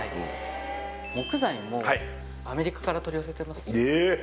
木材もアメリカから取り寄せてますえっ！